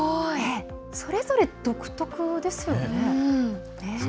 それぞれ独特ですよね。